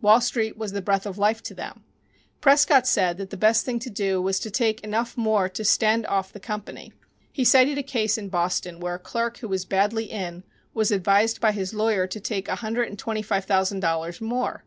Wall Street was the breath of life to them. Prescott said that the best thing to do was to take enough more to "stand off" the company. He cited a case in Boston, where a clerk who was badly "in" was advised by his lawyer to take a hundred and twenty five thousand dollars more.